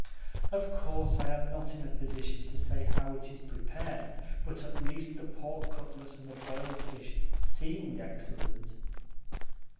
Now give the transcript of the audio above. "Of course I am not in a position to say how it is prepared, but at least the pork cutlets and the boiled fish seemed excellent."